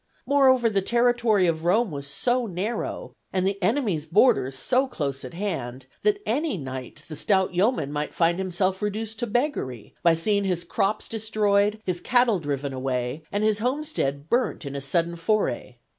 Moreover, the territory of Rome was so narrow, and the enemy's borders so close at hand, that any night the stout yeoman might find himself reduced to beggary, by seeing his crops destroyed, his cattle driven away, and his homestead burnt in a sudden foray.